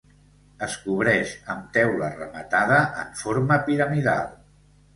Es cobreix amb teula rematada en forma piramidal.